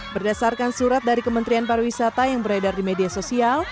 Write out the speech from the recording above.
berdasarkan surat dari kementerian pariwisata yang beredar di media sosial